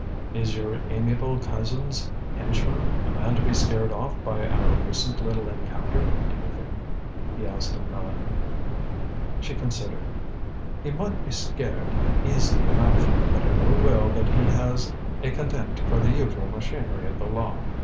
"Is your amiable cousin's henchman a man to be scared off by our recent little encounter, do you think?" he asked of Mélanie. She considered. "He might be scared, easily enough. But I know well that he has a contempt for the usual machinery of the law.